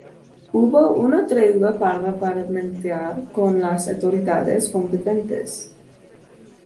Hubo una tregua para parlamentar con las autoridades competentes.